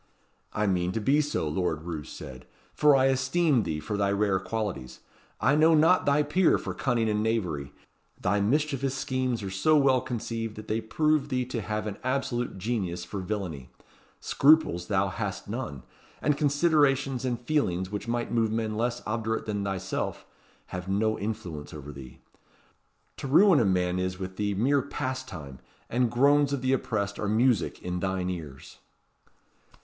"I mean to be so," Lord Roos said; "for I esteem thee for thy rare qualities. I know not thy peer for cunning and knavery. Thy mischievous schemes are so well conceived that they prove thee to have an absolute genius for villany. Scruples thou hast none; and considerations and feelings which might move men less obdurate than thyself, have no influence over thee. To ruin a man is with thee mere pastime; and groans of the oppressed are music in thine ears."